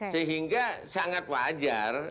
sehingga sangat wajar